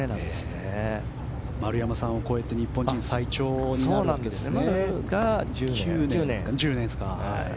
丸山さんを超えて日本人最長になるわけですね。